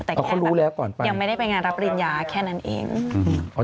แต่แค่แบบอย่างไม่ได้ไปงานรับปริญญาแค่นั้นเองอืม